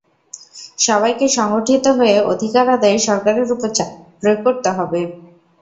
সবাইকে সংগঠিত হয়ে অধিকার আদায়ে সরকারের ওপর চাপ প্রয়োগ করতে হবে।